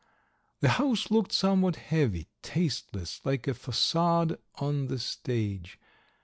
The house looked somewhat heavy, tasteless, like a façade on the stage.